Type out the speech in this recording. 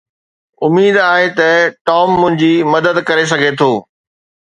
اميد آهي ته ٽام منهنجي مدد ڪري سگهي ٿو.